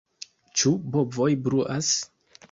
Ĉu bovoj bruas?